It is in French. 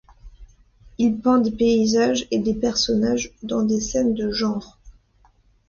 Il peint des paysages et des personnages dans des scènes de genre.